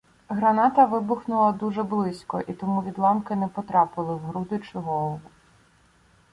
Граната вибухнула дуже близько, і тому відламки не потрапили в груди чи голову.